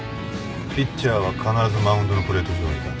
ピッチャーは必ずマウンドのプレート上に立つ。